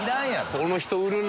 その人売るな。